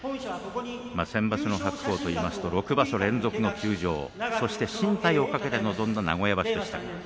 先場所の白鵬といいますと６場所連続の休場そして進退を懸けて臨んだ名古屋場所でした。